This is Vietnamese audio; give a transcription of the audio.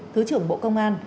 thứ trưởng bộ công an